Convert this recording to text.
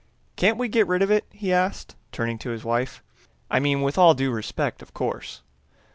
"Can't we get rid of it?" he asked, turning to his wife. "I mean, with all due respect, of course."